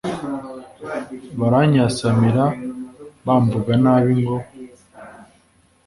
Baranyasamira bamvuga nabi ngo